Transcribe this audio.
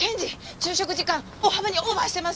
昼食時間大幅にオーバーしてます！